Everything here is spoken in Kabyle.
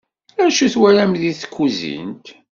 Acu i twalam di tkuzint?